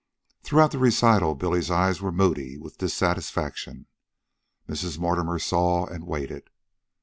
Throughout the recital Billy's eyes were moody with dissatisfaction. Mrs. Mortimer saw, and waited.